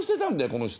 この人。